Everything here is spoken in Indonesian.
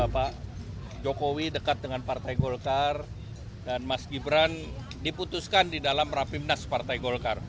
pak jokowi dekat dengan partai golkar dan mas gibran diputuskan di dalam rapimnas partai golkar